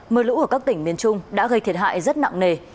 mưa lũ ở các tỉnh miền trung đã gây thiệt hại rất nặng nề